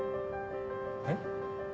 えっ？